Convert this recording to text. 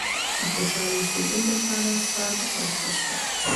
د خوشاله اوسېدلو لپاره ساده طریقه شته.